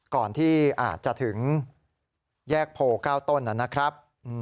ก่อนที่อาจจะถึงแยกโพ๙ต้นนะครับ